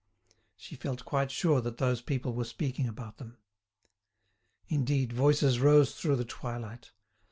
She felt quite sure that those people were speaking about them. Indeed, voices rose through the twilight.